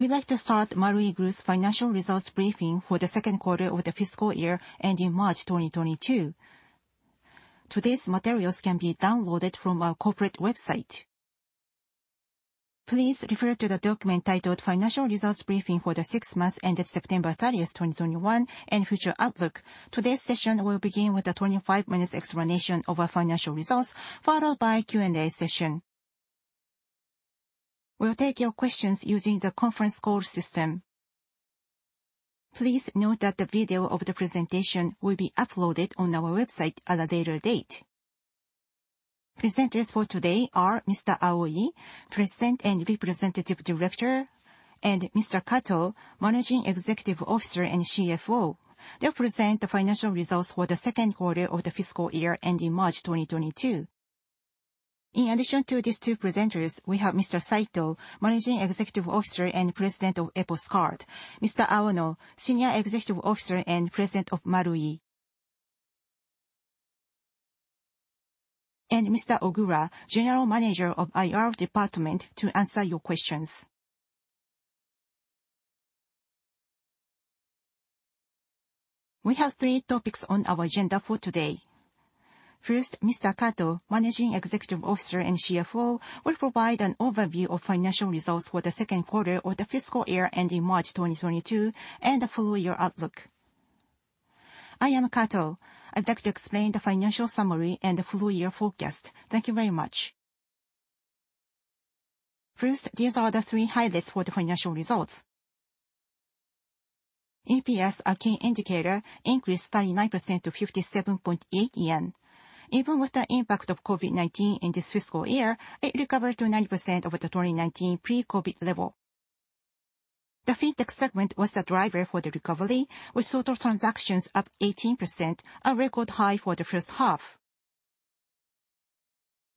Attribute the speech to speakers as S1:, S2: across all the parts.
S1: We'd like to start Marui Group's financial results briefing for the second quarter of the fiscal year ending March 2022. Today's materials can be downloaded from our corporate website. Please refer to the document titled Financial Results Briefing for the six months ended September 30, 2021, and Future Outlook. Today's session will begin with a 25-minute explanation of our financial results, followed by Q&A session. We'll take your questions using the conference call system. Please note that the video of the presentation will be uploaded on our website at a later date. Presenters for today are Mr. Aoi, President and Representative Director, and Mr. Kato, Managing Executive Officer and CFO. They'll present the financial results for the second quarter of the fiscal year ending March 2022. In addition to these two presenters, we have Mr. Saito, Managing Executive Officer and President of EPOS Card, Mr. Aono, Senior Executive Officer and President of Marui. Mr. Ogura, General Manager of IR Department to answer your questions. We have three topics on our agenda for today. First, Mr. Kato, Managing Executive Officer and CFO will provide an overview of financial results for the second quarter of the fiscal year ending March 2022, and the full-year outlook.
S2: I am Kato. I'd like to explain the financial summary and the full-year forecast. Thank you very much. First, these are the three highlights for the financial results. EPS, our key indicator, increased 39% to 57.8 yen. Even with the impact of COVID-19 in this fiscal year, it recovered to 90% over the 2019 pre-COVID level. The FinTech segment was the driver for the recovery, with total transactions up 18%, a record high for the first half.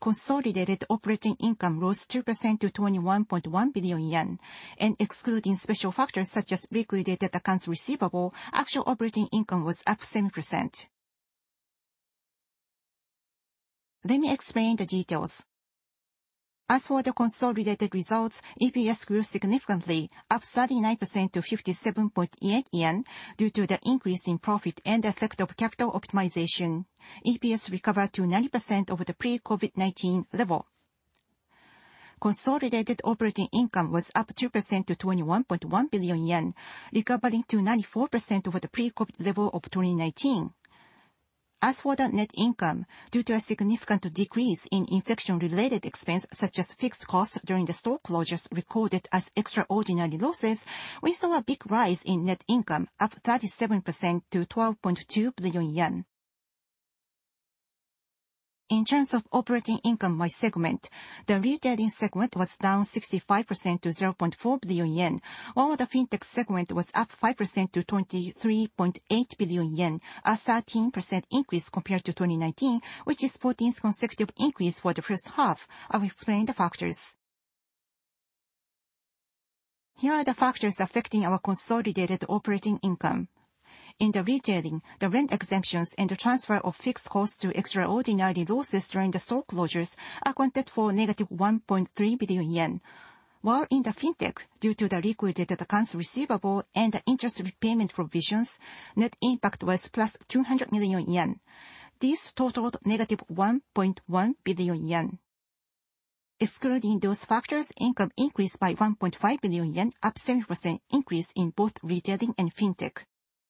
S2: Consolidated operating income rose 2% to 21.1 billion yen, and excluding special factors such as liquidated accounts receivable, actual operating income was up 7%. Let me explain the details. As for the consolidated results, EPS grew significantly, up 39% to 57.8 yen due to the increase in profit and effect of capital optimization. EPS recovered to 90% over the pre-COVID-19 level. Consolidated operating income was up 2% to 21.1 billion yen, recovering to 94% over the pre-COVID level of 2019. As for the net income, due to a significant decrease in infection-related expense, such as fixed costs during the store closures recorded as extraordinary losses, we saw a big rise in net income, up 37% to 12.2 billion yen. In terms of operating income by segment, the Retailing segment was down 65% to 0.4 billion yen, while the FinTech segment was up 5% to 23.8 billion yen, a 13% increase compared to 2019, which is 14th consecutive increase for the first half. I will explain the factors. Here are the factors affecting our consolidated operating income. In the Retailing, the rent exemptions and the transfer of fixed costs to extraordinary losses during the store closures accounted for negative 1.3 billion yen. While in the FinTech, due to the liquidated accounts receivable and the interest repayment provisions, net impact was plus 200 million yen. These totaled negative 1.1 billion yen. Excluding those factors, income increased by 1.5 billion yen, up 7% increase in both Retailing and FinTech.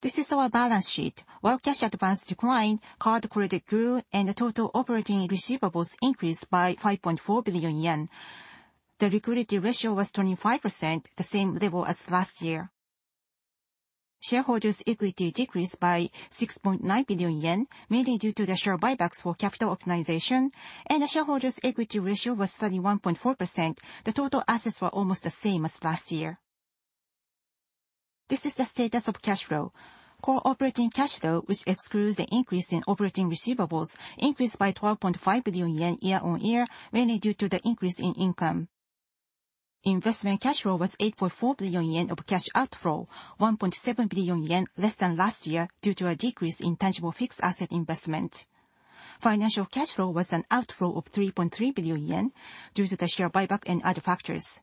S2: This is our balance sheet. While cash advance declined, card credit grew, and the total operating receivables increased by 5.4 billion yen. The liquidity ratio was 25%, the same level as last year. Shareholders' equity decreased by 6.9 billion yen, mainly due to the share buybacks for capital optimization, and the shareholders' equity ratio was 31.4%. The total assets were almost the same as last year. This is the status of cash flow. Core operating cash flow, which excludes the increase in operating receivables, increased by 12.5 billion yen year-on-year, mainly due to the increase in income. Investment cash flow was 8.4 billion yen of cash outflow, 1.7 billion yen less than last year due to a decrease in tangible fixed asset investment. Financial cash flow was an outflow of 3.3 billion yen due to the share buyback and other factors.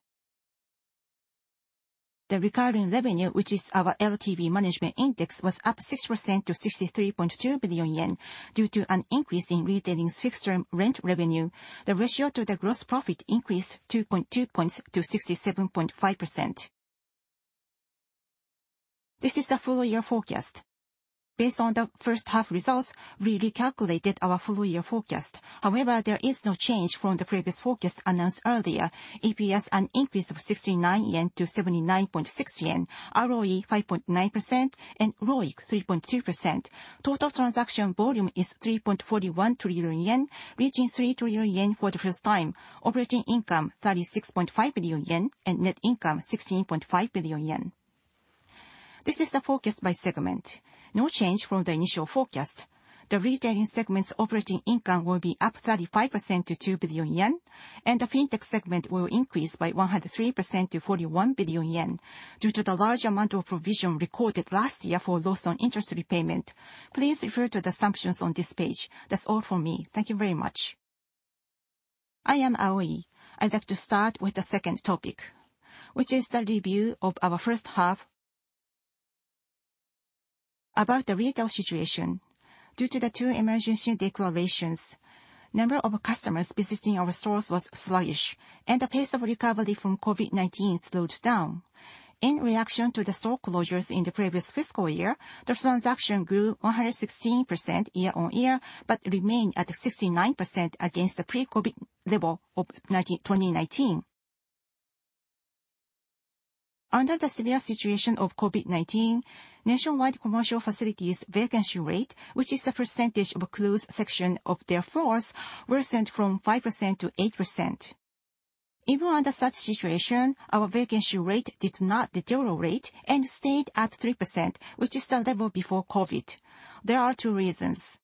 S2: The recurring revenue, which is our LTV management index, was up 6% to 63.2 billion yen due to an increase in Retailing's fixed term rent revenue. The ratio to the gross profit increased 2.2 points to 67.5%. This is the full-year forecast. Based on the first half results, we recalculated our full-year forecast. However, there is no change from the previous forecast announced earlier. EPS, an increase of 69 yen to 79.6 yen, ROE 5.9%, and ROIC 3.2%. Total transaction volume is 3.41 trillion yen, reaching 3 trillion yen for the first time. Operating income 36.5 billion yen, and net income 16.5 billion yen. This is the forecast by segment. No change from the initial forecast. The Retailing segment's operating income will be up 35% to 2 billion yen, and the FinTech segment will increase by 103% to 41 billion yen due to the large amount of provision recorded last year for loss on interest repayment. Please refer to the assumptions on this page. That's all from me. Thank you very much.
S3: I am Aoi. I'd like to start with the second topic, which is the review of our first half. About the retail situation, due to the two emergency declarations, number of customers visiting our stores was sluggish and the pace of recovery from COVID-19 slowed down. In reaction to the store closures in the previous fiscal year, the transaction grew 116% year-on-year, but remained at 69% against the pre-COVID level of 2019. Under the severe situation of COVID-19, nationwide commercial facilities vacancy rate, which is the percentage of closed section of their floors, worsened from 5% to 8%. Even under such situation, our vacancy rate did not deteriorate and stayed at 3%, which is the level before COVID. There are two reasons.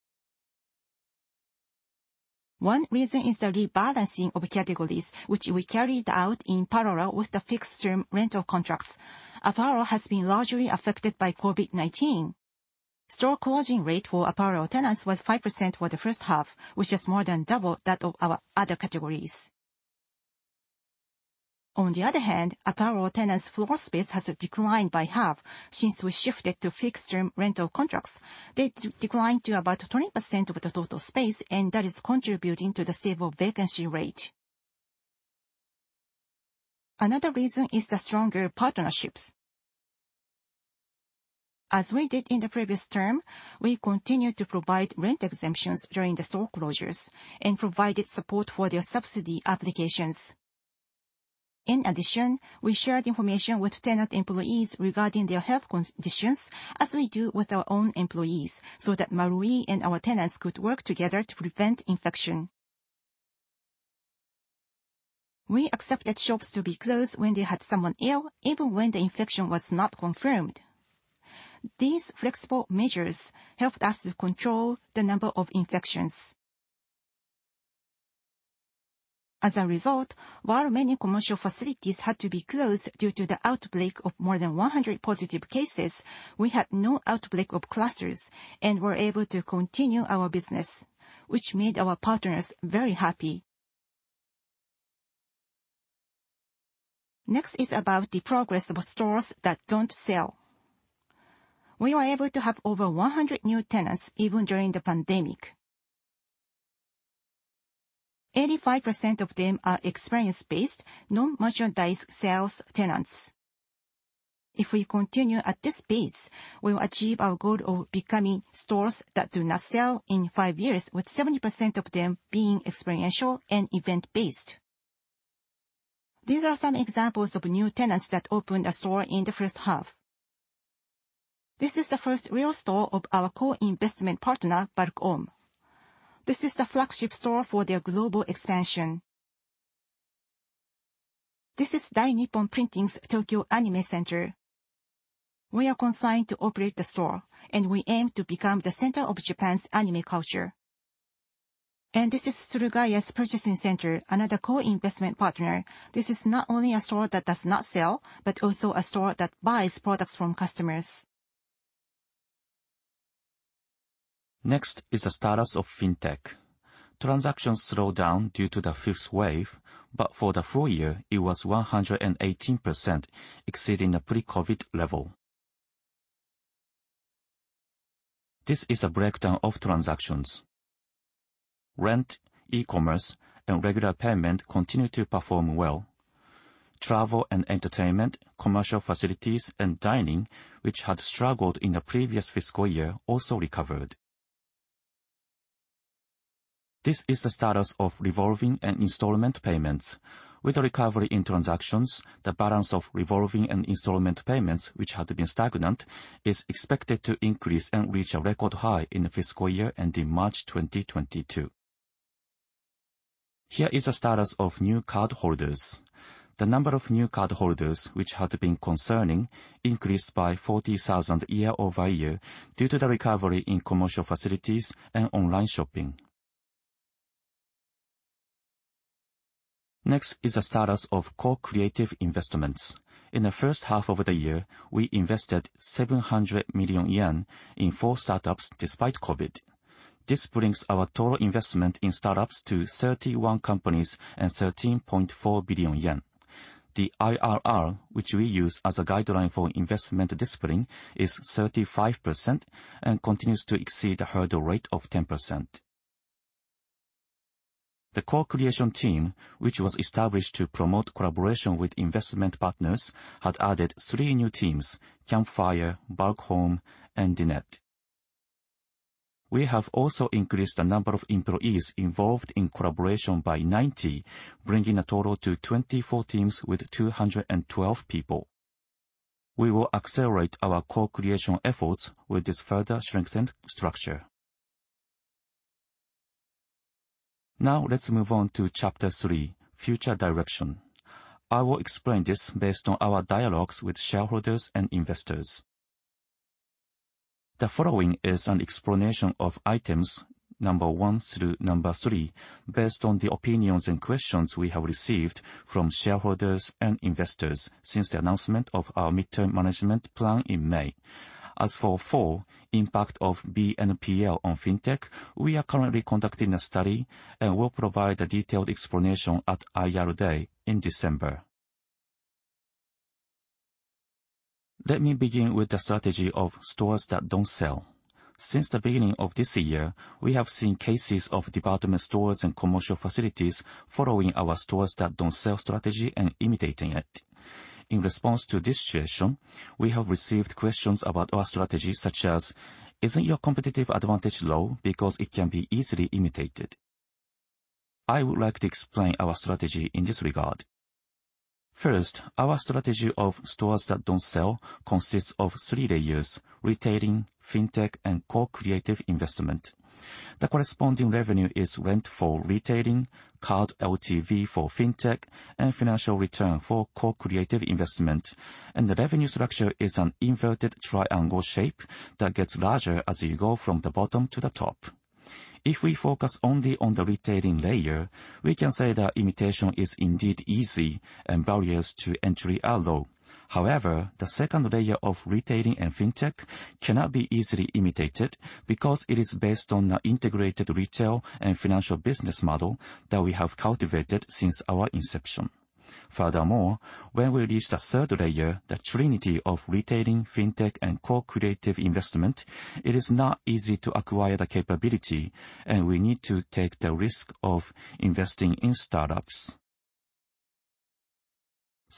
S3: One reason is the rebalancing of categories, which we carried out in parallel with the fixed term rental contracts. Apparel has been largely affected by COVID-19. Store closing rate for apparel tenants was 5% for the first half, which is more than double that of our other categories. On the other hand, apparel tenants' floor space has declined by half since we shifted to fixed term rental contracts. They declined to about 20% of the total space, and that is contributing to the stable vacancy rate. Another reason is the stronger partnerships. As we did in the previous term, we continued to provide rent exemptions during the store closures and provided support for their subsidy applications. In addition, we shared information with tenant employees regarding their health conditions as we do with our own employees, so that Marui and our tenants could work together to prevent infection. We accepted shops to be closed when they had someone ill, even when the infection was not confirmed. These flexible measures helped us to control the number of infections. As a result, while many commercial facilities had to be closed due to the outbreak of more than 100 positive cases, we had no outbreak of clusters and were able to continue our business, which made our partners very happy. Next is about the progress of stores that don't sell. We were able to have over 100 new tenants even during the pandemic. 85% of them are experience-based, non-merchandise sales tenants. If we continue at this pace, we will achieve our goal of becoming stores that do not sell in five years with 70% of them being experiential and event-based. These are some examples of new tenants that opened a store in the first half. This is the first real store of our co-investment partner, Bark Home. This is the flagship store for their global expansion. This is Dai Nippon Printing's Tokyo Anime Center. We are consigned to operate the store, and we aim to become the center of Japan's anime culture. This is SURUGA-YA's purchasing center, another co-investment partner. This is not only a store that sells, but also a store that buys products from customers. Next is the status of FinTech. Transactions slowed down due to the fifth wave, but for the full-year, it was 118% exceeding the pre-COVID level. This is a breakdown of transactions. Rent, e-commerce, and regular payment continued to perform well. Travel and entertainment, commercial facilities and dining, which had struggled in the previous fiscal year, also recovered. This is the status of revolving and installment payments. With the recovery in transactions, the balance of revolving and installment payments, which had been stagnant, is expected to increase and reach a record high in the fiscal year ending March 2022. Here is the status of new cardholders. The number of new cardholders, which had been concerning, increased by 40,000 year-over-year due to the recovery in commercial facilities and online shopping. Next is the status of co-creative investments. In the first half of the year, we invested 700 million yen in four startups despite COVID-19. This brings our total investment in startups to 31 companies and 13.4 billion yen. The IRR, which we use as a guideline for investment discipline, is 35% and continues to exceed the hurdle rate of 10%. The co-creation team, which was established to promote collaboration with investment partners, had added three new teams, CAMPFIRE, Bark Home, and DINÉTTE. We have also increased the number of employees involved in collaboration by 90, bringing the total to 24 teams with 212 people. We will accelerate our co-creation efforts with this further strengthened structure. Now let's move on to chapter three, future direction. I will explain this based on our dialogues with shareholders and investors. The following is an explanation of items one through three based on the opinions and questions we have received from shareholders and investors since the announcement of our midterm management plan in May. As for four, impact of BNPL on FinTech, we are currently conducting a study and will provide a detailed explanation at IR Day in December. Let me begin with the strategy of stores that don't sell. Since the beginning of this year, we have seen cases of department stores and commercial facilities following our stores that don't sell strategy and imitating it. In response to this situation, we have received questions about our strategy, such as, "Isn't your competitive advantage low because it can be easily imitated?" I would like to explain our strategy in this regard. First, our strategy of stores that don't sell consists of three layers, Retailing, FinTech, and co-creative investment. The corresponding revenue is rent for Retailing, card LTV for FinTech, and financial return for co-creative investment. The revenue structure is an inverted triangle shape that gets larger as you go from the bottom to the top. If we focus only on the Retailing layer, we can say that imitation is indeed easy and barriers to entry are low. However, the second layer of Retailing and FinTech cannot be easily imitated because it is based on an integrated retail and financial business model that we have cultivated since our inception. Furthermore, when we reach the third layer, the trinity of Retailing, FinTech, and co-creative investment, it is not easy to acquire the capability, and we need to take the risk of investing in startups.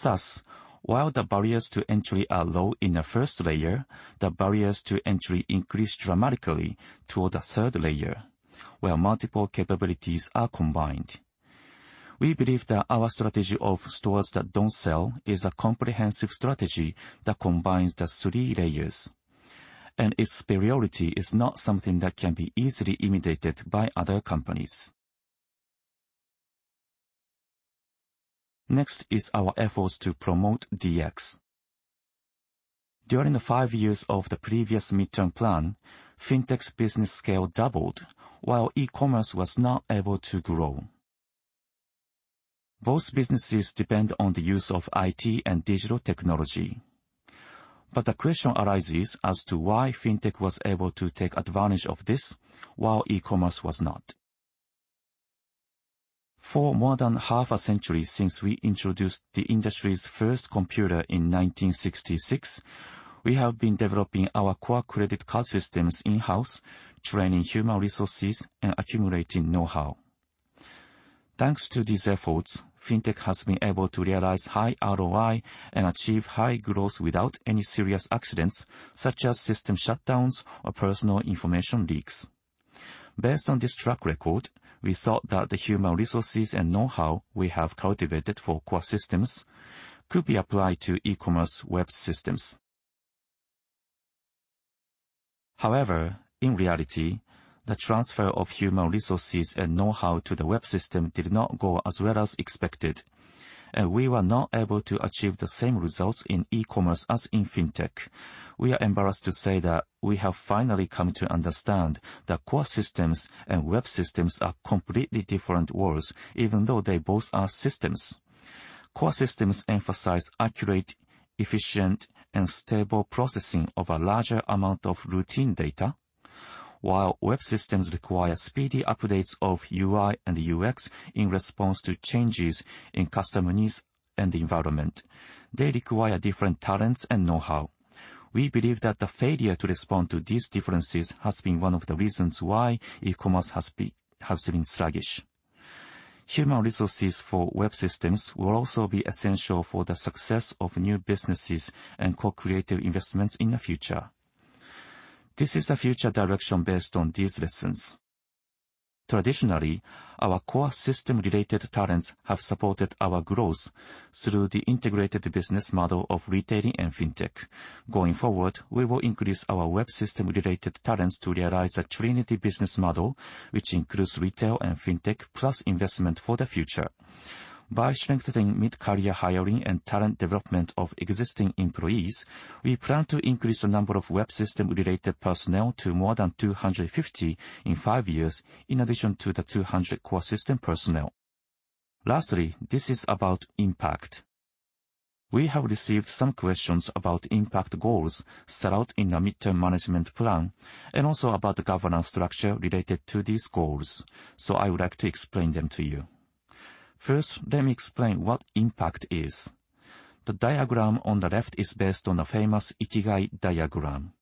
S3: Thus, while the barriers to entry are low in the first layer, the barriers to entry increase dramatically toward the third layer, where multiple capabilities are combined. We believe that our strategy of stores that don't sell is a comprehensive strategy that combines the three layers, and its superiority is not something that can be easily imitated by other companies. Next is our efforts to promote DX. During the five years of the previous midterm plan, FinTech's business scale doubled while e-commerce was not able to grow. Both businesses depend on the use of IT and digital technology. The question arises as to why FinTech was able to take advantage of this while e-commerce was not. For more than half a century since we introduced the industry's first computer in 1966, we have been developing our core credit card systems in-house, training human resources, and accumulating know-how. Thanks to these efforts, FinTech has been able to realize high ROI and achieve high growth without any serious accidents, such as system shutdowns or personal information leaks. Based on this track record, we thought that the human resources and know-how we have cultivated for core systems could be applied to e-commerce web systems. However, in reality, the transfer of human resources and know-how to the web system did not go as well as expected, and we were not able to achieve the same results in e-commerce as in FinTech. We are embarrassed to say that we have finally come to understand that core systems and web systems are completely different worlds, even though they both are systems. Core systems emphasize accurate, efficient, and stable processing of a larger amount of routine data, while web systems require speedy updates of UI and UX in response to changes in customer needs and the environment. They require different talents and know-how. We believe that the failure to respond to these differences has been one of the reasons why e-commerce has been sluggish. Human resources for web systems will also be essential for the success of new businesses and co-creative investments in the future. This is the future direction based on these lessons. Traditionally, our core system-related talents have supported our growth through the integrated business model of Retailing and FinTech. Going forward, we will increase our web system-related talents to realize a trinity business model, which includes retail and FinTech, plus investment for the future. By strengthening mid-career hiring and talent development of existing employees, we plan to increase the number of web system-related personnel to more than 250 in five years, in addition to the 200 core system personnel. Lastly, this is about impact. We have received some questions about impact goals set out in the midterm management plan and also about the governance structure related to these goals. I would like to explain them to you. First, let me explain what impact is. The diagram on the left is based on the famous Ikigai diagram.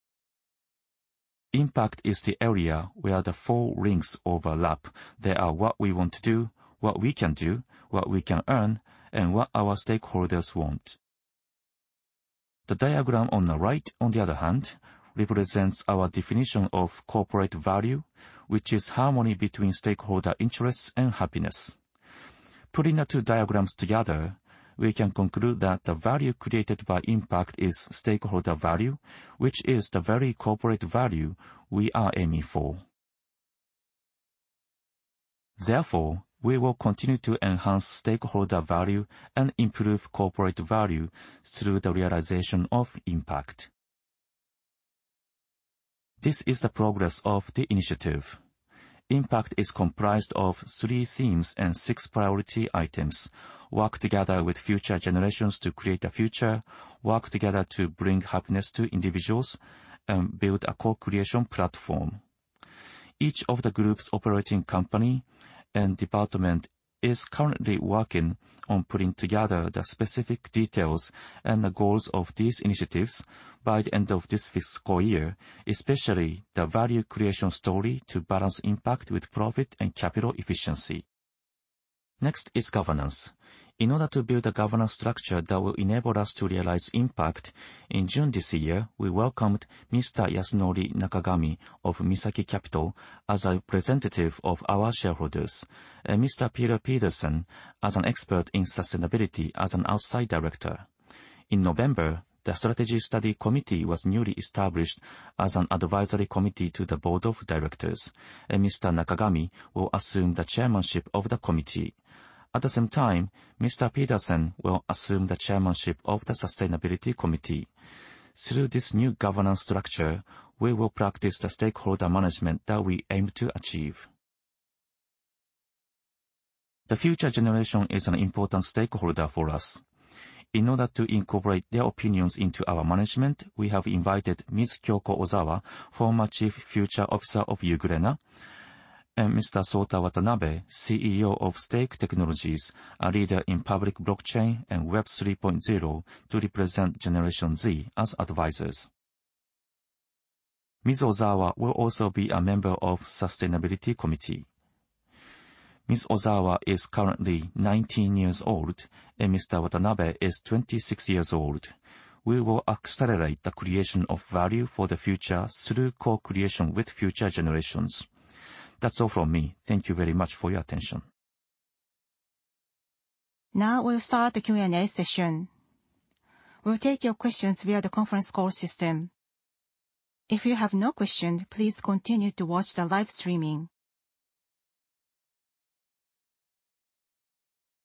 S3: Impact is the area where the four rings overlap. They are what we want to do, what we can do, what we can earn, and what our stakeholders want. The diagram on the right, on the other hand, represents our definition of corporate value, which is harmony between stakeholder interests and happiness. Putting the two diagrams together, we can conclude that the value created by impact is stakeholder value, which is the very corporate value we are aiming for. Therefore, we will continue to enhance stakeholder value and improve corporate value through the realization of impact. This is the progress of the initiative. Impact is comprised of three themes and six priority items. Work together with future generations to create a future, work together to bring happiness to individuals, and build a co-creation platform. Each of the group's operating company and department is currently working on putting together the specific details and the goals of these initiatives by the end of this fiscal year, especially the value creation story to balance impact with profit and capital efficiency. Next is governance. In order to build a governance structure that will enable us to realize impact, in June this year, we welcomed Mr. Yasunori Nakagami of Misaki Capital as a representative of our shareholders, and Mr. Peter Pedersen as an expert in sustainability as an outside director. In November, the Strategy Study Committee was newly established as an advisory committee to the Board of Directors, and Mr. Nakagami will assume the Chairmanship of the committee. At the same time, Mr. Pedersen will assume the chairmanship of the Sustainability Committee. Through this new governance structure, we will practice the stakeholder management that we aim to achieve. The future generation is an important stakeholder for us. In order to incorporate their opinions into our management, we have invited Ms. Kyoko Ozawa, former Chief Future Officer of Euglena, and Mr. Sota Watanabe, CEO of Stake Technologies, a leader in public blockchain and Web 3.0 to represent Generation Z as advisors. Ms. Ozawa will also be a member of Sustainability Committee. Ms. Ozawa is currently 19 years old, and Mr. Watanabe is 26 years old. We will accelerate the creation of value for the future through co-creation with future generations. That's all from me. Thank you very much for your attention.
S1: Now we'll start the Q&A session. We'll take your questions via the conference call system. If you have no question, please continue to watch the live streaming.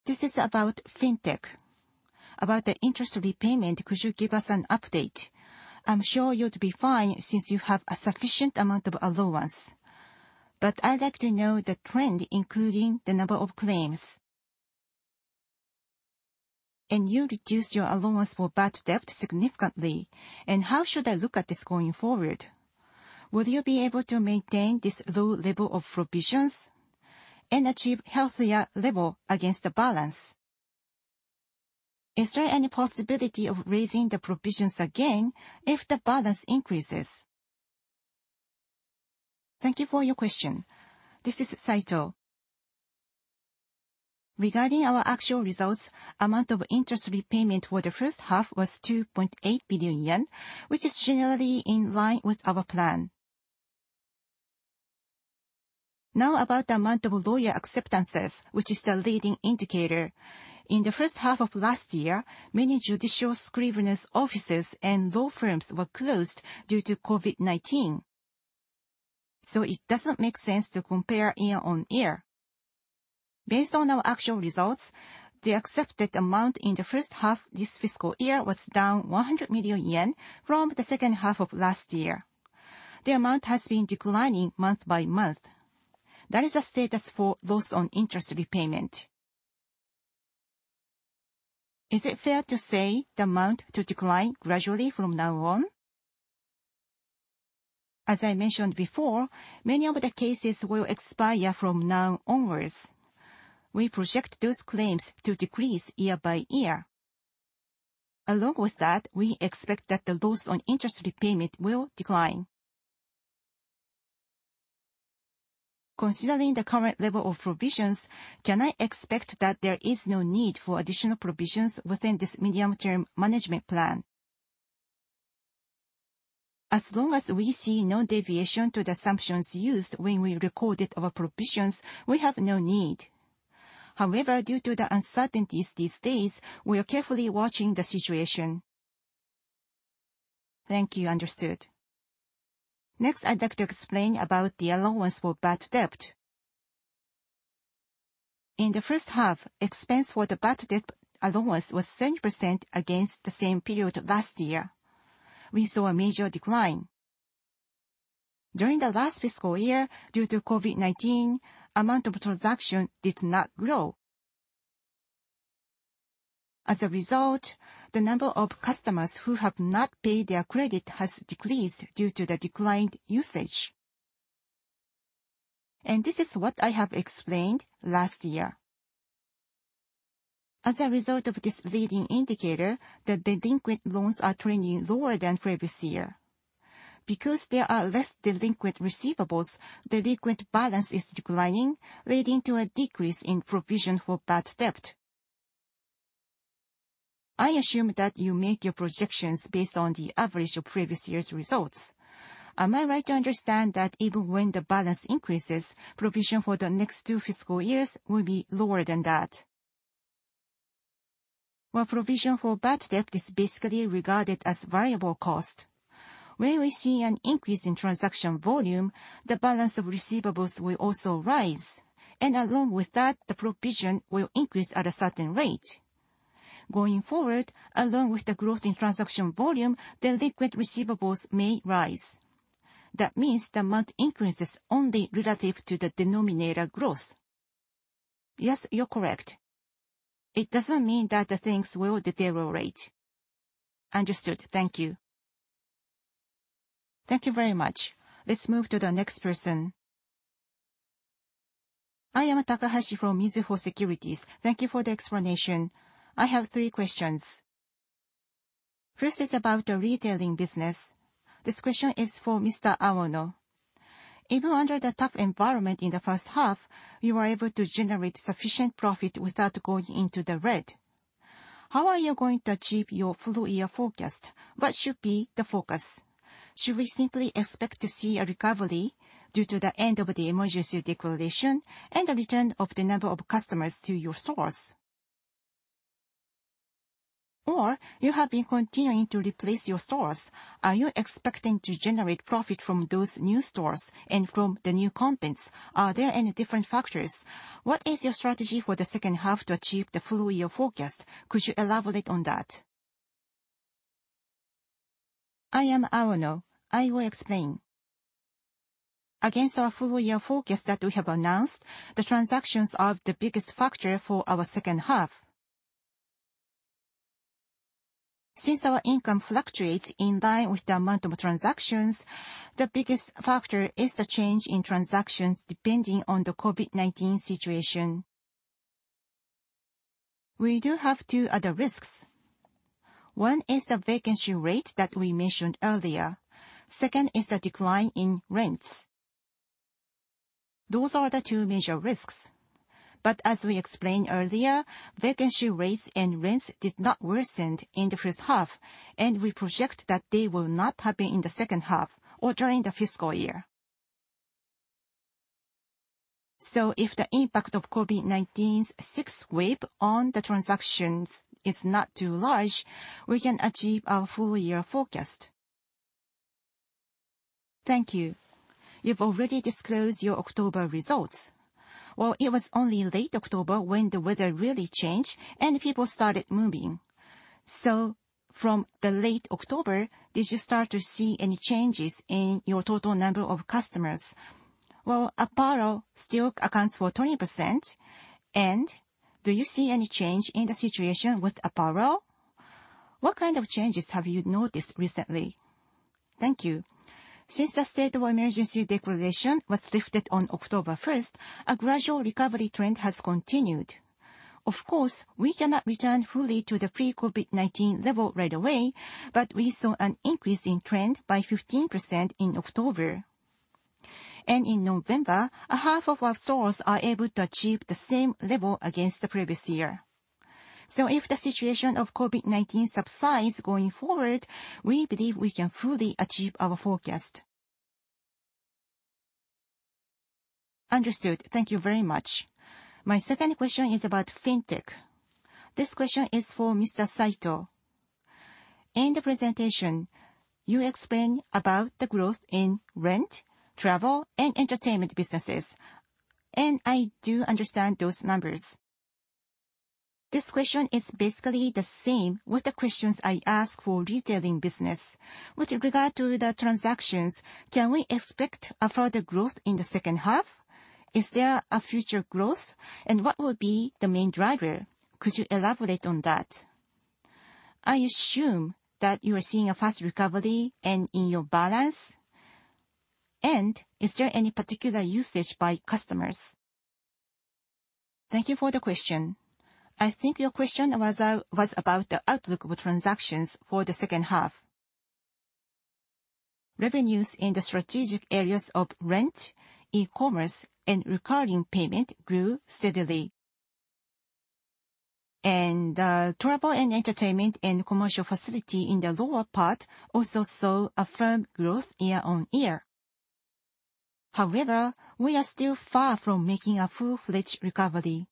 S4: This is about FinTech. About the interest repayment, could you give us an update? I'm sure you'd be fine since you have a sufficient amount of allowance. But I'd like to know the trend, including the number of claims. You reduced your allowance for bad debt significantly. How should I look at this going forward? Would you be able to maintain this low level of provisions and achieve healthier level against the balance? Is there any possibility of raising the provisions again if the balance increases?
S5: Thank you for your question. This is Saito. Regarding our actual results, the amount of interest repayment for the first half was 2.8 billion yen, which is generally in line with our plan. Now, about the amount of lawyer acceptances, which is the leading indicator. In the first half of last year, many judicial scriveners' offices and law firms were closed due to COVID-19. It doesn't make sense to compare year-on-year. Based on our actual results, the accepted amount in the first half this fiscal year was down 100 million yen from the second half of last year. The amount has been declining month-by-month. That is a status for loss on interest repayment.
S4: Is it fair to say the amount to decline gradually from now on?
S5: As I mentioned before, many of the cases will expire from now onwards. We project those claims to decrease year-by-year. Along with that, we expect that the loss on interest repayment will decline. Considering the current level of provisions, can I expect that there is no need for additional provisions within this medium-term management plan? As long as we see no deviation to the assumptions used when we recorded our provisions, we have no need. However, due to the uncertainties these days, we are carefully watching the situation.
S4: Thank you. Understood.
S5: Next, I'd like to explain about the allowance for bad debt. In the first half, expense for the bad debt allowance was 70% against the same period last year. We saw a major decline. During the last fiscal year, due to COVID-19, amount of transaction did not grow. As a result, the number of customers who have not paid their credit has decreased due to the declined usage. This is what I have explained last year. As a result of this leading indicator, the delinquent loans are trending lower than previous year. Because there are less delinquent receivables, delinquent balance is declining, leading to a decrease in provision for bad debt.
S4: I assume that you make your projections based on the average of previous year's results. Am I right to understand that even when the balance increases, provision for the next two fiscal years will be lower than that?
S5: While provision for bad debt is basically regarded as variable cost, when we see an increase in transaction volume, the balance of receivables will also rise, and along with that, the provision will increase at a certain rate. Going forward, along with the growth in transaction volume, delinquent receivables may rise. That means the amount increases only relative to the denominator growth. Yes, you're correct. It doesn't mean that the things will deteriorate.
S4: Understood. Thank you.
S1: Thank you very much. Let's move to the next person.
S6: I am Takahashi from Mizuho Securities. Thank you for the explanation. I have three questions. First is about the Retailing business. This question is for Mr. Aono. Even under the tough environment in the first half, you were able to generate sufficient profit without going into the red. How are you going to achieve your full-year forecast? What should be the focus? Should we simply expect to see a recovery due to the end of the emergency declaration and the return of the number of customers to your stores? Or you have been continuing to replace your stores, are you expecting to generate profit from those new stores and from the new contents? Are there any different factors? What is your strategy for the second half to achieve the full-year forecast? Could you elaborate on that?
S7: I am Aono. I will explain. Against our full-year forecast that we have announced, the transactions are the biggest factor for our second half. Since our income fluctuates in line with the amount of transactions, the biggest factor is the change in transactions depending on the COVID-19 situation. We do have two other risks. One is the vacancy rate that we mentioned earlier. Second is the decline in rents. Those are the two major risks. As we explained earlier, vacancy rates and rents did not worsen in the first half, and we project that they will not happen in the second half or during the fiscal year. If the impact of COVID-19's sixth wave on the transactions is not too large, we can achieve our full-year forecast.
S6: Thank you. You've already disclosed your October results. Well, it was only late October when the weather really changed and people started moving. From the late October, did you start to see any changes in your total number of customers? Well, apparel still accounts for 20% and do you see any change in the situation with apparel? What kind of changes have you noticed recently? Thank you.
S7: Since the state of emergency declaration was lifted on October first, a gradual recovery trend has continued. Of course, we cannot return fully to the pre-COVID-19 level right away, but we saw an increase in trend by 15% in October. In November, a half of our stores are able to achieve the same level against the previous year. If the situation of COVID-19 subsides going forward, we believe we can fully achieve our forecast.
S6: Understood. Thank you very much. My second question is about FinTech. This question is for Mr. Saito. In the presentation, you explain about the growth in rent, travel, and entertainment businesses, and I do understand those numbers. This question is basically the same with the questions I ask for Retailing business. With regard to the transactions, can we expect a further growth in the second half? Is there a future growth, and what will be the main driver? Could you elaborate on that? I assume that you are seeing a fast recovery and in your balance. Is there any particular usage by customers?
S5: Thank you for the question. I think your question was about the outlook of transactions for the second half. Revenues in the strategic areas of rent, e-commerce and recurring payment grew steadily. Travel and entertainment and commercial facility in the lower part also saw a firm growth year on year. However, we are still far from making a full-fledged recovery.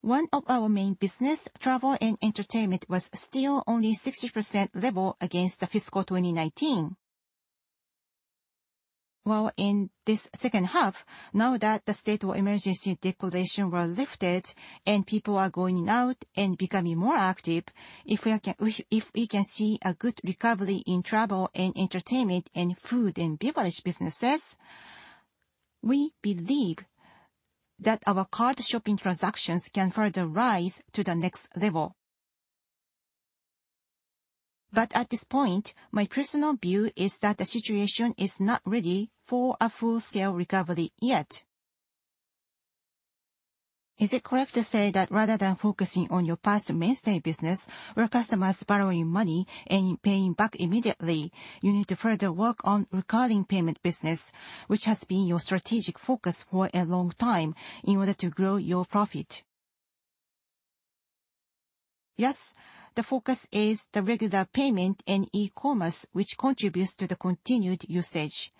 S5: One of our main business, travel and entertainment, was still only 60% level against the fiscal year 2019. Well, in this second half, now that the state of emergency declaration was lifted and people are going out and becoming more active, if we can see a good recovery in travel and entertainment and food and beverage businesses, we believe that our card shopping transactions can further rise to the next level. At this point, my personal view is that the situation is not ready for a full-scale recovery yet.
S6: Is it correct to say that rather than focusing on your past mainstay business, where customers borrowing money and paying back immediately, you need to further work on recurring payment business, which has been your strategic focus for a long time, in order to grow your profit?
S5: Yes, the focus is the regular payment and e-commerce which contributes to the continued usage.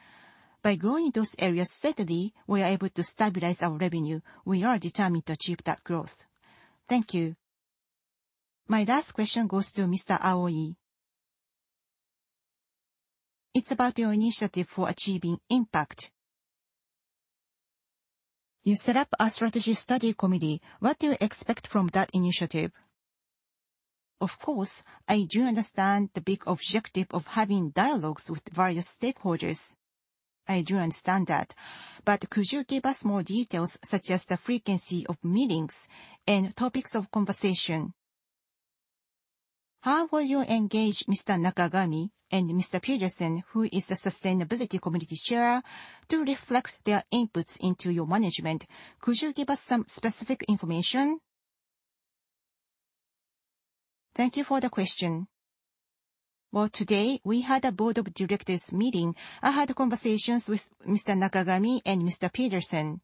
S5: By growing those areas steadily, we are able to stabilize our revenue. We are determined to achieve that growth.
S6: Thank you. My last question goes to Mr. Aoi. It's about your initiative for achieving impact. You set up a Strategy Study Committee. What do you expect from that initiative? Of course, I do understand the big objective of having dialogues with various stakeholders. I do understand that. But could you give us more details, such as the frequency of meetings and topics of conversation? How will you engage Mr. Nakagami and Mr. Pedersen, who is the Sustainability Committee Chair, to reflect their inputs into your management? Could you give us some specific information?
S3: Thank you for the question. Well, today we had a Board of Directors meeting. I had conversations with Mr. Nakagami and Mr. Pedersen.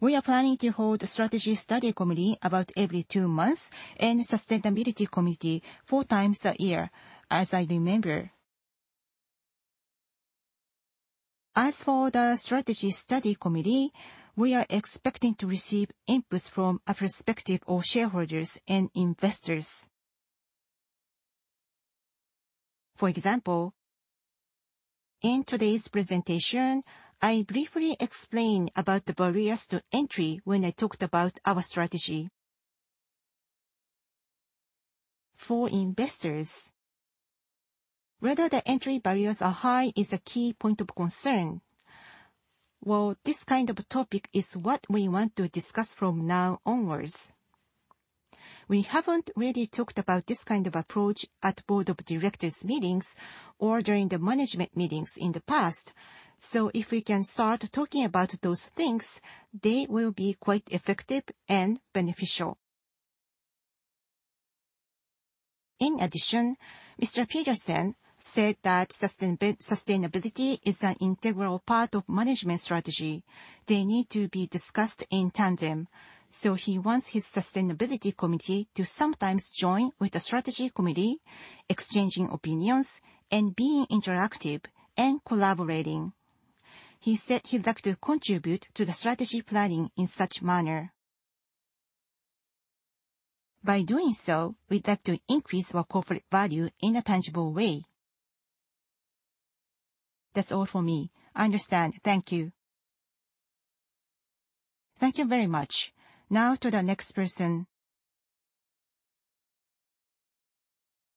S3: We are planning to hold a Strategy Study Committee about every two months and Sustainability Committee four times a year, as I remember. As for the Strategy Study Committee, we are expecting to receive inputs from a perspective of shareholders and investors. For example, in today's presentation, I briefly explained about the barriers to entry when I talked about our strategy. For investors, whether the entry barriers are high is a key point of concern. Well, this kind of topic is what we want to discuss from now onwards. We haven't really talked about this kind of approach at Board of Directors meetings or during the management meetings in the past. If we can start talking about those things, they will be quite effective and beneficial. In addition, Mr. Pedersen said that sustainability is an integral part of management strategy. They need to be discussed in tandem. He wants his sustainability committee to sometimes join with the strategy committee, exchanging opinions and being interactive and collaborating. He said he'd like to contribute to the strategy planning in such manner. By doing so, we'd like to increase our corporate value in a tangible way.
S6: That's all for me. Understand. Thank you.
S1: Thank you very much. Now to the next person.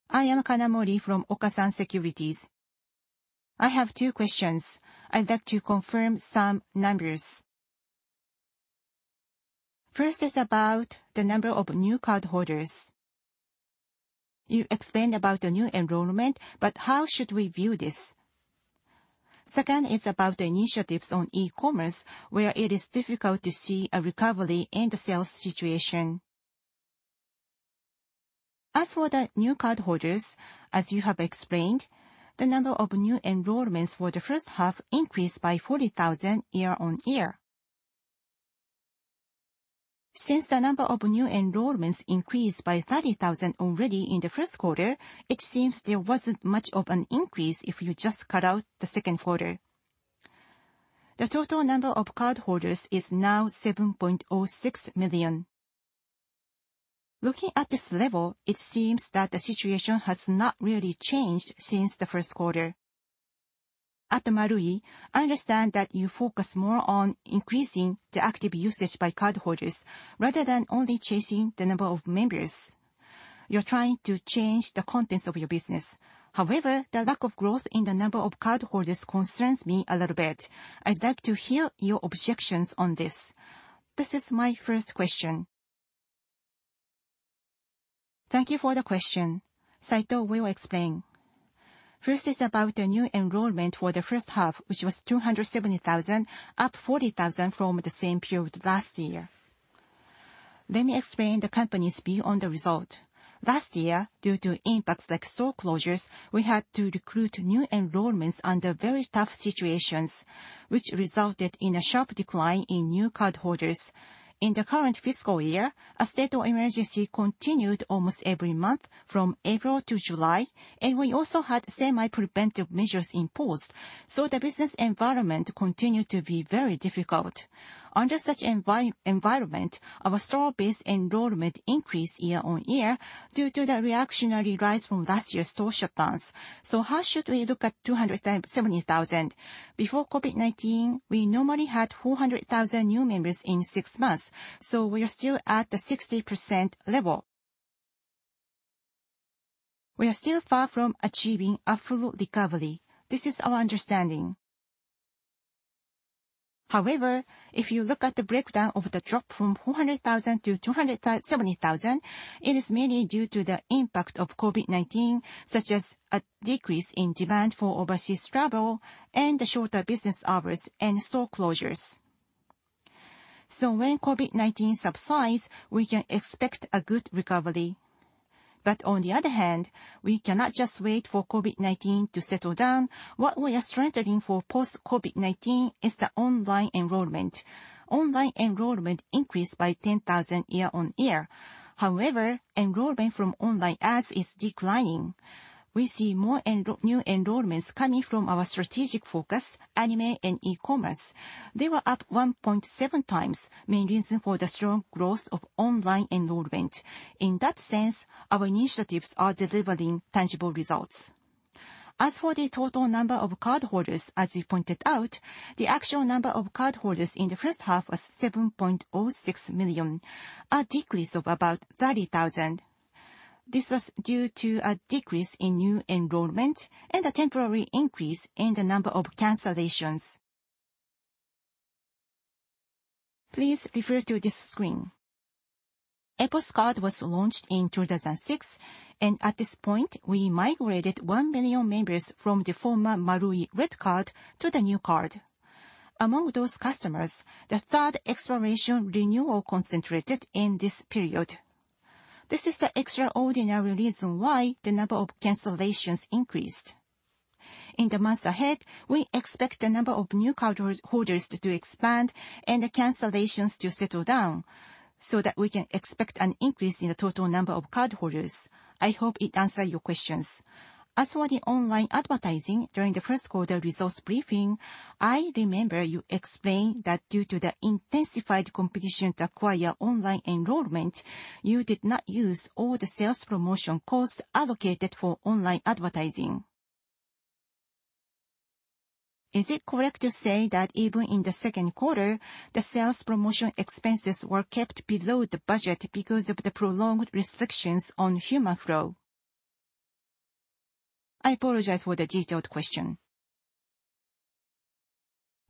S8: I am Kanamori from Okasan Securities. I have two questions. I'd like to confirm some numbers. First is about the number of new cardholders. You explained about the new enrollment, but how should we view this? Second is about the initiatives on e-commerce, where it is difficult to see a recovery in the sales situation. As for the new cardholders, as you have explained, the number of new enrollments for the first half increased by 40,000 year-on-year. Since the number of new enrollments increased by 30,000 already in the first quarter, it seems there wasn't much of an increase if you just cut out the second quarter. The total number of cardholders is now 7.06 million. Looking at this level, it seems that the situation has not really changed since the first quarter. At Marui, I understand that you focus more on increasing the active usage by cardholders rather than only chasing the number of members. You're trying to change the contents of your business. However, the lack of growth in the number of cardholders concerns me a little bit. I'd like to hear your objections on this. This is my first question.
S5: Thank you for the question. Saito will explain. First is about the new enrollment for the first half, which was 270,000, up 40,000 from the same period last year. Let me explain the company's view on the result. Last year, due to impacts like store closures, we had to recruit new enrollments under very tough situations, which resulted in a sharp decline in new cardholders. In the current fiscal year, a state of emergency continued almost every month from April to July, and we also had semi-preventive measures imposed, so the business environment continued to be very difficult. Under such environment, our store-based enrollment increased year-over-year due to the reactionary rise from last year's store shutdowns. How should we look at 270,000? Before COVID-19, we normally had 400,000 new members in six months, so we are still at the 60% level. We are still far from achieving a full recovery. This is our understanding. However, if you look at the breakdown of the drop from 400,000 to 270,000, it is mainly due to the impact of COVID-19, such as a decrease in demand for overseas travel and the shorter business hours and store closures. When COVID-19 subsides, we can expect a good recovery. On the other hand, we cannot just wait for COVID-19 to settle down. What we are strengthening for post-COVID-19 is the online enrollment. Online enrollment increased by 10,000 year-over-year. However, enrollment from online ads is declining. We see more new enrollments coming from our strategic focus, anime and e-commerce. They were up 1.7 times, main reason for the strong growth of online enrollment. In that sense, our initiatives are delivering tangible results. As for the total number of cardholders, as you pointed out, the actual number of cardholders in the first half was 7.06 million, a decrease of about 30,000. This was due to a decrease in new enrollment and a temporary increase in the number of cancellations. Please refer to this screen. EPOS Card was launched in 2006, and at this point, we migrated one million members from the former Marui Red Card to the new card. Among those customers, the third exploration renewal concentrated in this period. This is the extraordinary reason why the number of cancellations increased. In the months ahead, we expect the number of new cardholders to expand and the cancellations to settle down so that we can expect an increase in the total number of cardholders. I hope it answer your questions.
S8: As for the online advertising during the first quarter results briefing, I remember you explained that due to the intensified competition to acquire online enrollment, you did not use all the sales promotion costs allocated for online advertising. Is it correct to say that even in the second quarter, the sales promotion expenses were kept below the budget because of the prolonged restrictions on human flow? I apologize for the detailed question.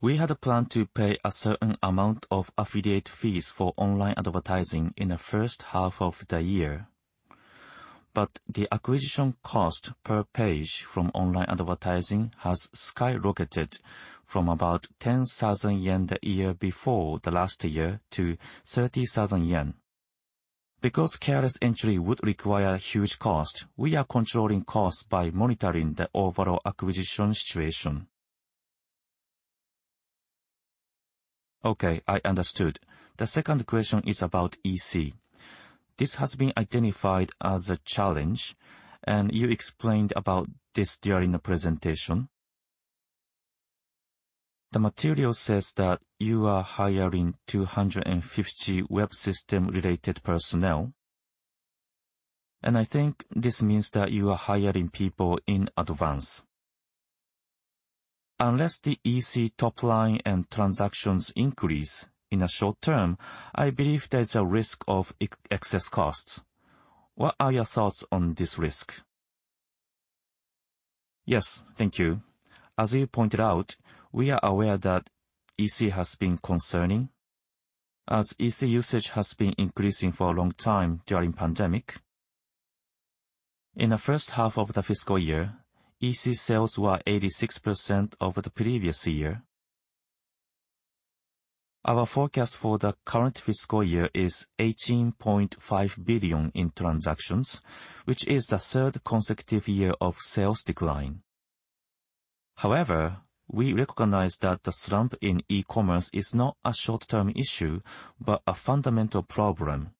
S5: We had a plan to pay a certain amount of affiliate fees for online advertising in the first half of the year. The acquisition cost per page from online advertising has skyrocketed from about 10,000 yen the year before the last year to 30,000 yen. Because careless entry would require huge cost, we are controlling costs by monitoring the overall acquisition situation.
S8: Okay. I understood. The second question is about EC. This has been identified as a challenge, and you explained about this during the presentation. The material says that you are hiring 250 web system related personnel, and I think this means that you are hiring people in advance. Unless the EC top line and transactions increase in the short term, I believe there's a risk of excess costs. What are your thoughts on this risk?
S5: Yes. Thank you. As you pointed out, we are aware that EC has been concerning as EC usage has been increasing for a long time during pandemic. In the first half of the fiscal year, EC sales were 86% over the previous year. Our forecast for the current fiscal year is 18.5 billion in transactions, which is the third consecutive year of sales decline. However, we recognize that the slump in e-commerce is not a short-term issue, but a fundamental problem.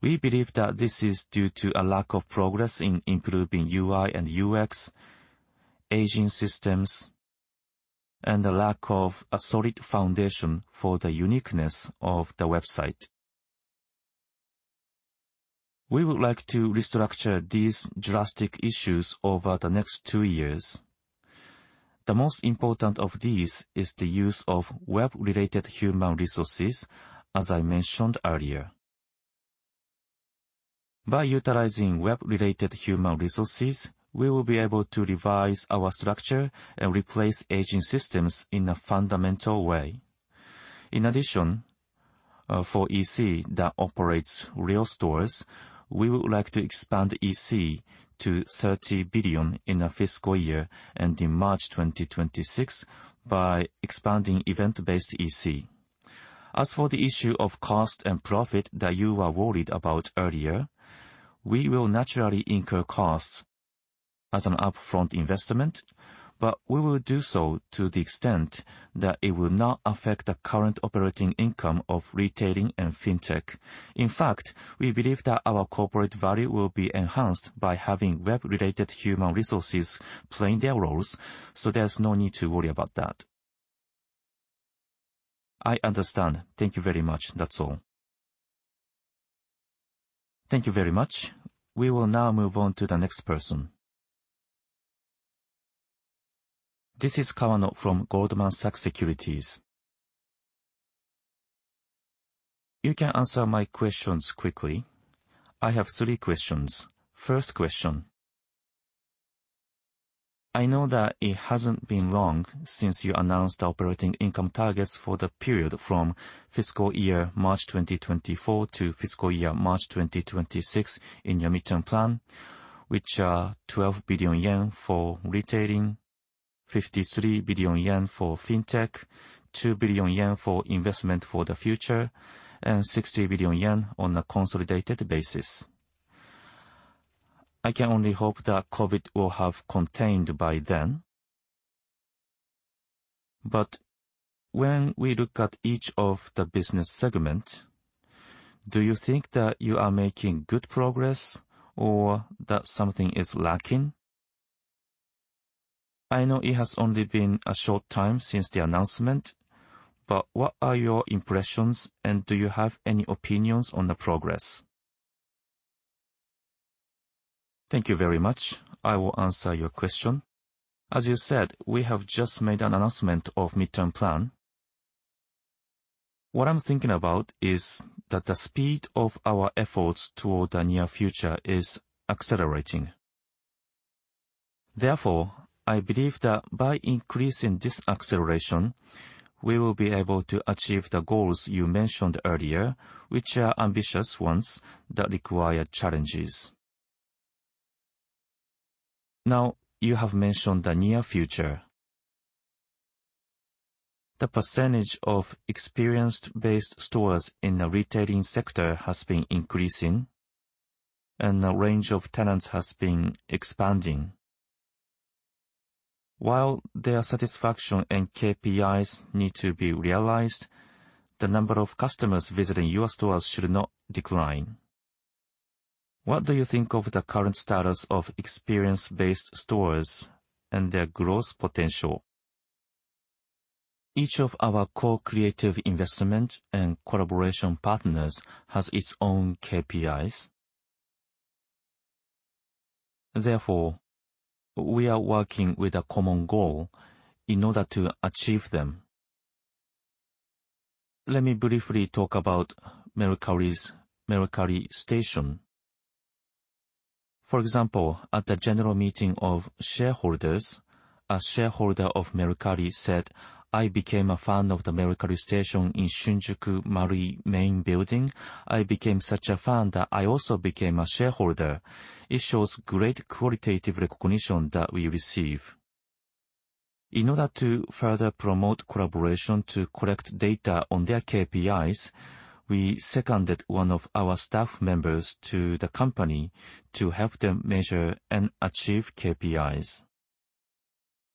S5: We believe that this is due to a lack of progress in improving UI and UX, aging systems, and a lack of a solid foundation for the uniqueness of the website. We would like to restructure these drastic issues over the next two years. The most important of these is the use of web related human resources, as I mentioned earlier. By utilizing web related human resources, we will be able to revise our structure and replace aging systems in a fundamental way. In addition, for EC that operates real stores, we would like to expand EC to 30 billion in our fiscal year ending March 2026 by expanding event-based EC. As for the issue of cost and profit that you were worried about earlier, we will naturally incur costs as an upfront investment, but we will do so to the extent that it will not affect the current operating income of Retailing and FinTech. In fact, we believe that our corporate value will be enhanced by having web related human resources playing their roles, so there's no need to worry about that.
S8: I understand. Thank you very much. That's all.
S1: Thank you very much. We will now move on to the next person.
S9: This is Kawano from Goldman Sachs Securities. You can answer my questions quickly. I have three questions. First question. I know that it hasn't been long since you announced operating income targets for the period from fiscal year March 2024 to fiscal year March 2026 in your midterm plan, which are 12 billion yen for Retailing, 53 billion yen for FinTech, 2 billion yen for investment for the future, and 60 billion yen on a consolidated basis. I can only hope that COVID will have contained by then. When we look at each of the business segment, do you think that you are making good progress or that something is lacking? I know it has only been a short time since the announcement, but what are your impressions and do you have any opinions on the progress?
S2: Thank you very much. I will answer your question. As you said, we have just made an announcement of midterm plan. What I'm thinking about is that the speed of our efforts toward the near future is accelerating. Therefore, I believe that by increasing this acceleration, we will be able to achieve the goals you mentioned earlier, which are ambitious ones that require challenges. Now, you have mentioned the near future. The percentage of experience-based stores in the Retailing sector has been increasing and the range of tenants has been expanding. While their satisfaction and KPIs need to be realized, the number of customers visiting your stores should not decline. What do you think of the current status of experience-based stores and their growth potential? Each of our co-creative investment and collaboration partners has its own KPIs. Therefore, we are working with a common goal in order to achieve them. Let me briefly talk about Mercari's Mercari Station. For example, at the general meeting of shareholders, a shareholder of Mercari said, "I became a fan of the Mercari Station in Shinjuku Marui Main Building. I became such a fan that I also became a shareholder." It shows great qualitative recognition that we receive. In order to further promote collaboration to collect data on their KPIs, we seconded one of our staff members to the company to help them measure and achieve KPIs.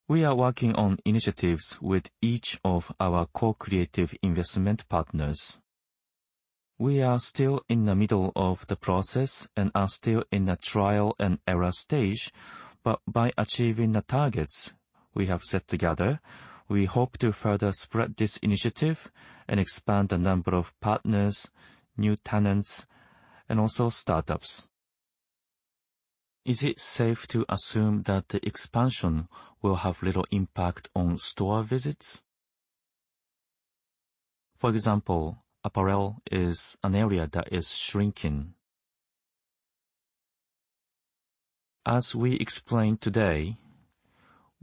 S2: We are working on initiatives with each of our co-creation investment partners. We are still in the middle of the process and are still in the trial and error stage. By achieving the targets we have set together, we hope to further spread this initiative and expand the number of partners, new tenants, and also startups.
S9: Is it safe to assume that the expansion will have little impact on store visits?
S2: For example, apparel is an area that is shrinking. As we explained today,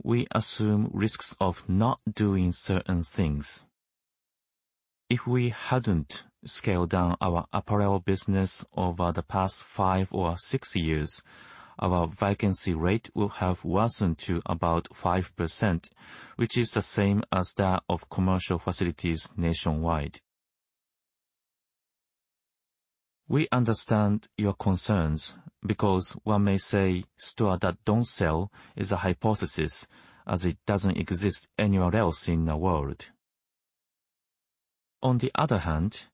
S2: we assume risks of not doing certain things. If we hadn't scaled down our apparel business over the past five or six years, our vacancy rate will have worsened to about 5%, which is the same as that of commercial facilities nationwide. We understand your concerns because one may say store that don't sell is a hypothesis as it doesn't exist anywhere else in the world. On the other hand,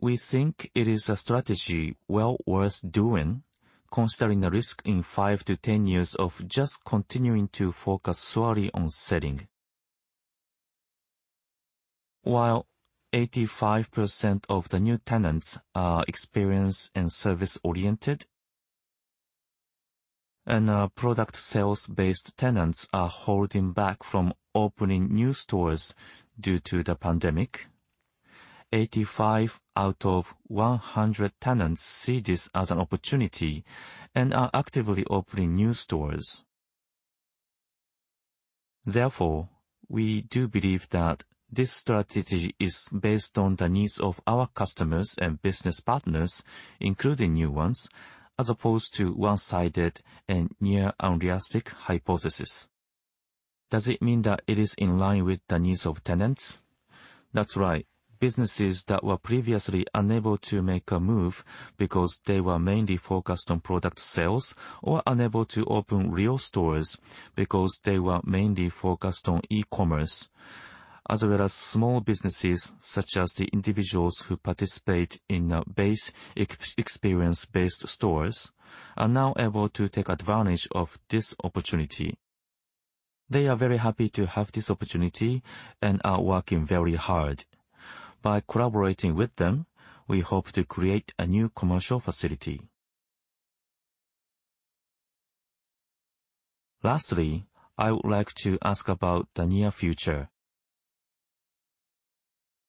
S2: we think it is a strategy well worth doing considering the risk in five to 10 years of just continuing to focus solely on selling. While 85% of the new tenants are experience and service-oriented and product sales-based tenants are holding back from opening new stores due to the pandemic, 85 out of 100 tenants see this as an opportunity and are actively opening new stores. Therefore, we do believe that this strategy is based on the needs of our customers and business partners, including new ones, as opposed to one-sided and near unrealistic hypothesis.
S9: Does it mean that it is in line with the needs of tenants?
S2: That's right. Businesses that were previously unable to make a move because they were mainly focused on product sales or unable to open real stores because they were mainly focused on e-commerce, as well as small businesses such as the individuals who participate in the experience-based stores, are now able to take advantage of this opportunity. They are very happy to have this opportunity and are working very hard. By collaborating with them, we hope to create a new commercial facility.
S9: Lastly, I would like to ask about the near future.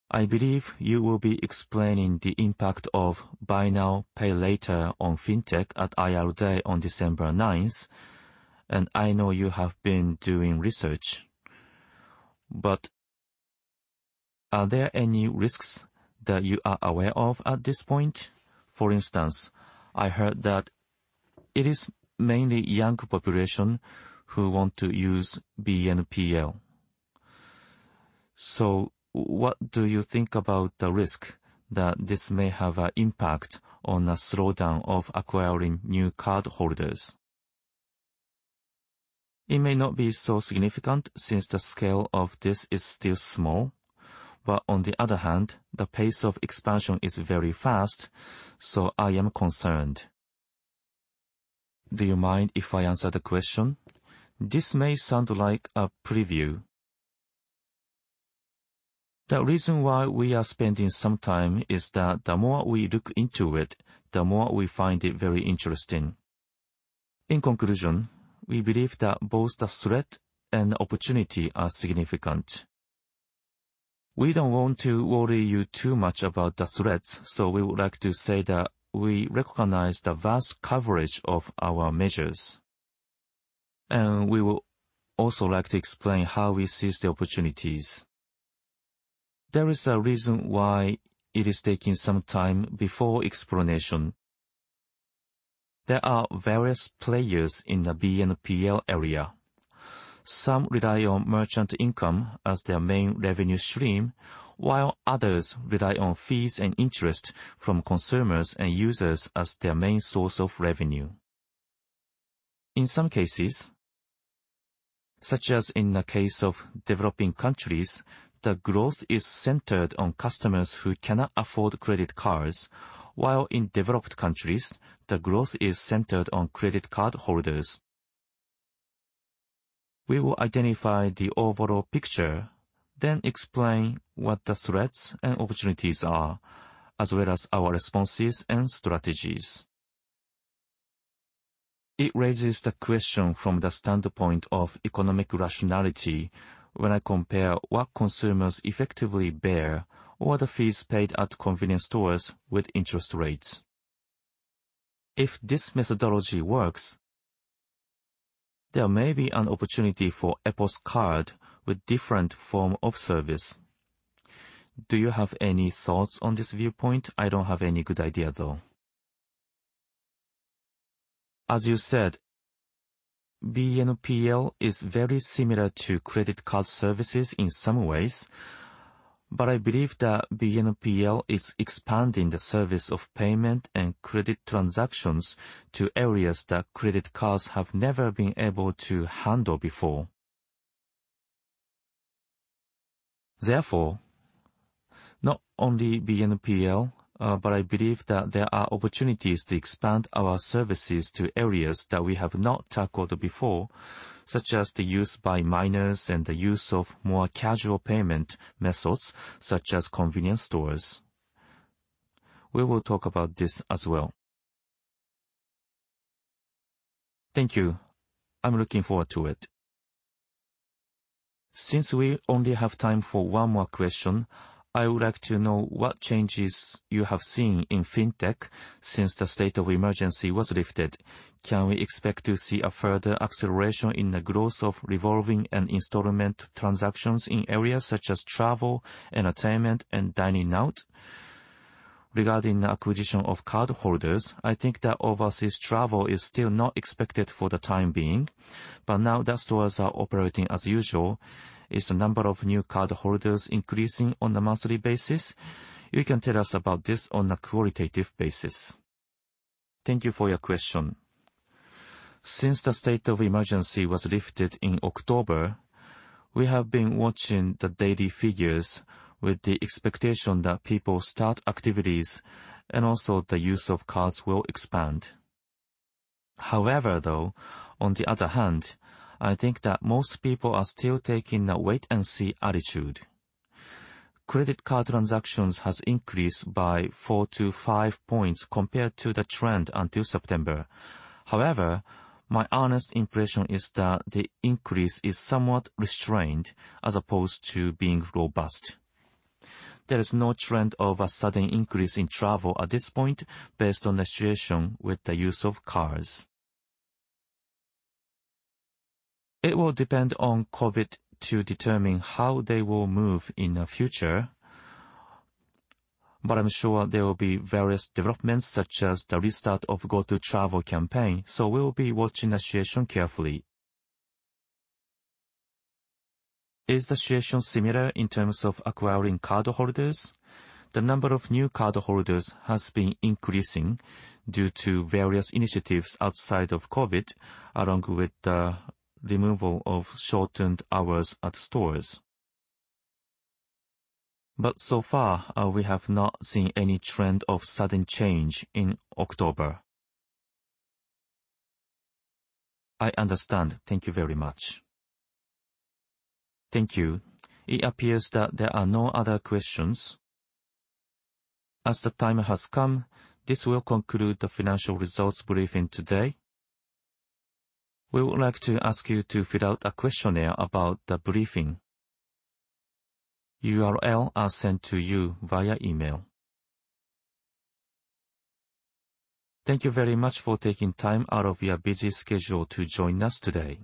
S9: I believe you will be explaining the impact of "buy now, pay later" on FinTech at IR Day on December 9th, and I know you have been doing research. Are there any risks that you are aware of at this point? For instance, I heard that it is mainly young population who want to use BNPL. What do you think about the risk that this may have an impact on the slowdown of acquiring new cardholders? It may not be so significant since the scale of this is still small. But on the other hand, the pace of expansion is very fast, so I am concerned.
S5: Do you mind if I answer the question? This may sound like a preview. The reason why we are spending some time is that the more we look into it, the more we find it very interesting. In conclusion, we believe that both the threat and opportunity are significant. We don't want to worry you too much about the threats, so we would like to say that we recognize the vast coverage of our measures. We will also like to explain how we seize the opportunities. There is a reason why it is taking some time before explanation. There are various players in the BNPL area. Some rely on merchant income as their main revenue stream, while others rely on fees and interest from consumers and users as their main source of revenue. In some cases, such as in the case of developing countries, the growth is centered on customers who cannot afford credit cards, while in developed countries, the growth is centered on credit card holders. We will identify the overall picture, then explain what the threats and opportunities are, as well as our responses and strategies. It raises the question from the standpoint of economic rationality when I compare what consumers effectively bear or the fees paid at convenience stores with interest rates. If this methodology works, there may be an opportunity for EPOS Card with different form of service.
S9: Do you have any thoughts on this viewpoint? I don't have any good idea though.
S5: As you said, BNPL is very similar to credit card services in some ways, but I believe that BNPL is expanding the service of payment and credit transactions to areas that credit cards have never been able to handle before. Therefore, not only BNPL, but I believe that there are opportunities to expand our services to areas that we have not tackled before, such as the use by minors and the use of more casual payment methods, such as convenience stores. We will talk about this as well.
S9: Thank you. I'm looking forward to it. Since we only have time for one more question, I would like to know what changes you have seen in FinTech since the state of emergency was lifted. Can we expect to see a further acceleration in the growth of revolving and installment transactions in areas such as travel, entertainment, and dining out? Regarding the acquisition of cardholders, I think that overseas travel is still not expected for the time being, but now that stores are operating as usual, is the number of new cardholders increasing on a monthly basis? You can tell us about this on a qualitative basis.
S5: Thank you for your question. Since the state of emergency was lifted in October, we have been watching the daily figures with the expectation that people start activities and also the use of cards will expand. However, though, on the other hand, I think that most people are still taking a wait and see attitude. Credit card transactions has increased by 4%-5% compared to the trend until September. However, my honest impression is that the increase is somewhat restrained as opposed to being robust. There is no trend of a sudden increase in travel at this point based on the situation with the use of cards. It will depend on COVID to determine how they will move in the future, but I'm sure there will be various developments such as the restart of Go To Travel campaign, so we'll be watching the situation carefully.
S9: Is the situation similar in terms of acquiring cardholders?
S5: The number of new cardholders has been increasing due to various initiatives outside of COVID, along with the removal of shortened hours at stores. So far, we have not seen any trend of sudden change in October.
S9: I understand. Thank you very much.
S1: Thank you. It appears that there are no other questions. As the time has come, this will conclude the financial results briefing today. We would like to ask you to fill out a questionnaire about the briefing. URLs are sent to you via email. Thank you very much for taking time out of your busy schedule to join us today.